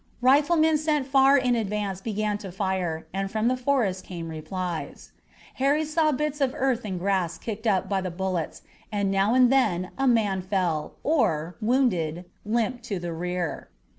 Riflemen sent far in advance began to fire, and from the forest came replies. Harry saw bits of earth and grass kicked up by the bullets, and now and then a man fell or, wounded, limped to the rear.